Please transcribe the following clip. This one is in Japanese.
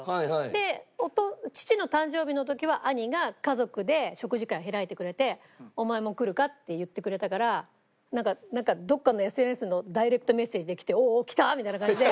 で父の誕生日の時は兄が家族で食事会を開いてくれて「お前も来るか？」って言ってくれたからなんかどっかのＳＮＳのダイレクトメッセージで来ておおっ来た！みたいな感じで。